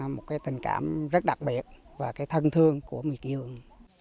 một tình cảm rất đặc biệt và thân thương của người quê hương